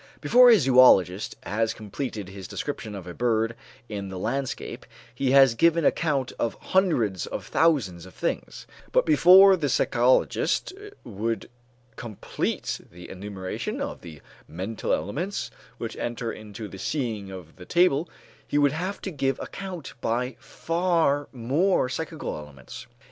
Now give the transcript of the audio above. Before a zoölogist has completed his description of a bird in the landscape, he has given account of hundreds of thousands of things; but before the psychologist would complete the enumeration of the mental elements which enter into the seeing of the table, he would have to give account of by far more psychical elements.